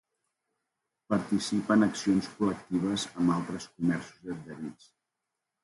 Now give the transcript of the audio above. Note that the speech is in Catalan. Participa en accions col·lectives amb altres comerços adherits